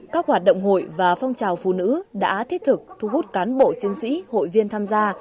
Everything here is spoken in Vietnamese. các hoạt động hội và phong trào phụ nữ đã thiết thực thu hút cán bộ chiến sĩ hội viên tham gia